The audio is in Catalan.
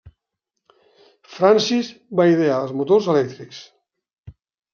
Francis va idear els motors elèctrics.